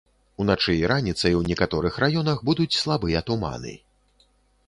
Уначы і раніцай у некаторых раёнах будуць слабыя туманы.